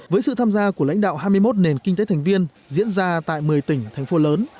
với sự tham gia của lãnh đạo hai mươi một nền kinh tế thành viên diễn ra tại một mươi tỉnh thành phố lớn